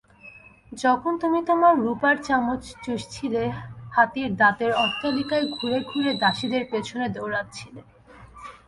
যখন তুমি তোমার রূপার চামচ চুষছিলে হাতির দাঁতের অট্টালিকায় ঘুরে ঘুরে দাসীদের পেছনে দৌড়াচ্ছিলে!